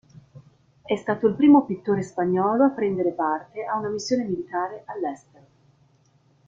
È stato il primo pittore spagnolo a prendere parte a una missione militare all'estero.